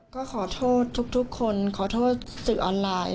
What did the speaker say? ก็ขอโทษทุกคนขอโทษสื่อออนไลน์